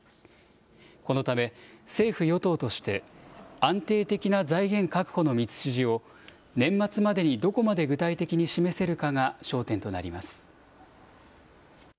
このため、政府・与党として、安定的な財源確保の道筋を、年末までにどこまで具体的に示せるかが焦点となります。